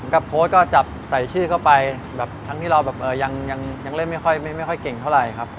โพสต์ก็จับใส่ชื่อเข้าไปแบบทั้งที่เราแบบยังเล่นไม่ค่อยเก่งเท่าไหร่ครับ